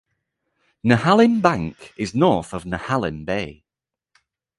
Nehalem Bank is north of Nehalem Bay.